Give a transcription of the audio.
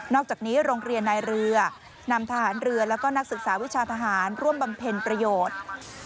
อกจากนี้โรงเรียนนายเรือนำทหารเรือแล้วก็นักศึกษาวิชาทหารร่วมบำเพ็ญประโยชน์